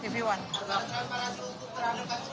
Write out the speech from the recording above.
pak orman pak orman